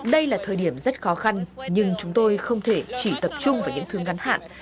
đây là thời điểm rất khó khăn nhưng chúng tôi không thể chỉ tập trung vào những thứ ngắn hạn